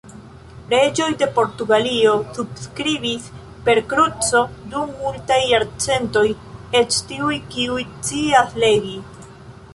Reĝoj de Portugalio subskribis per kruco dum multaj jarcentoj, eĉ tiuj kiuj scias legi.